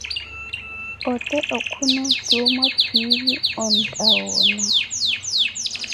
Ote okhuno jumwaa-phiili ontta woona!